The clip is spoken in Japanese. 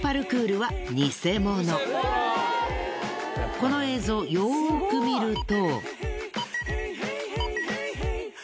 この映像よく見ると。